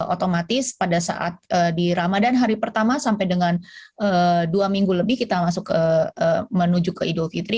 otomatis pada saat di ramadan hari pertama sampai dengan dua minggu lebih kita masuk menuju ke idul fitri